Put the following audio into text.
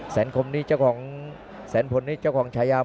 แสนพลนี่เจ้าของชายาม